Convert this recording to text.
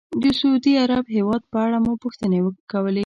د سعودي عرب هېواد په اړه مو پوښتنې کولې.